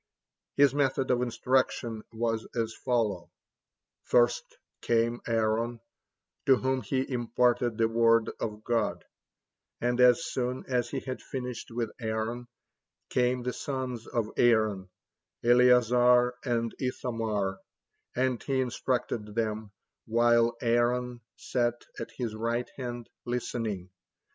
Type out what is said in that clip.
His method of instruction was as follows: first came Aaron, to whom he imparted the word of God, and as soon as he had finished with Aaron, came the sons of Aaron, Eleazar and Ithamar, and he instructed them, while Aaron sat at his right hand, listening.